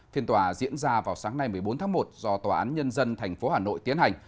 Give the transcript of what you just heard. phiên tòa diễn ra vào sáng nay một mươi bốn tháng một do tòa án nhân dân tp hà nội tiến hành